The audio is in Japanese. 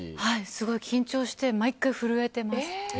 すごい緊張して毎回震えてます。